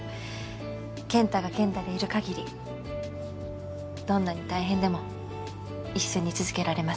健太が健太でいるかぎりどんなに大変でも一緒に続けられます。